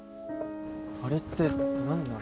あれって何なの？